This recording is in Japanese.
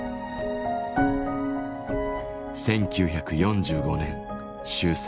１９４５年終戦。